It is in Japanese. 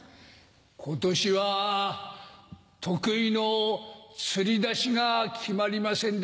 今年は得意のつり出しが決まりませんでした。